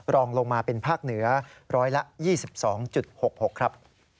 รองลงมาเป็นภาคเหนือร้อยละ๒๒๖๖ครับ